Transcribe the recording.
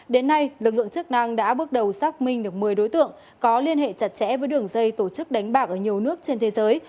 đến nay lực lượng chức năng đã bước đầu xác minh được một mươi đối tượng có liên hệ chặt chẽ với đường dây tổ chức đánh bạc ở nhiều nước trên thế giới